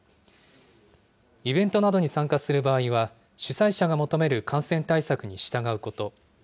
イベントなどに参加する場合は、主催者が求める感染対策に従うこと。